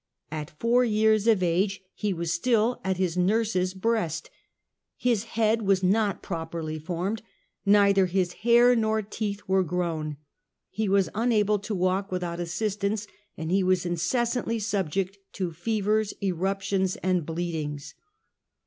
At four years of age he was still at his nurse's breast ; his head was not properly formed ; neither his hair nor teeth were grown ; he was unable to walk without assistance, and he was incessantly subject to fevers, eruptions, and bleedings.